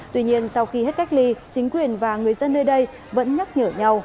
tuy nhiên sau khi hết cách ly chính quyền và người dân nơi đây vẫn nhắc nhở nhau